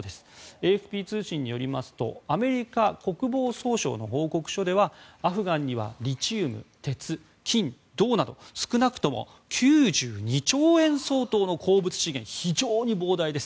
ＡＦＰ通信によりますとアメリカ国防総省の報告書ではアフガンにはリチウム鉄、金、銅など少なくとも９２兆円相当の鉱物資源、非常に膨大です。